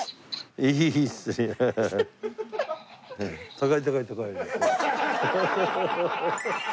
高い高い高い。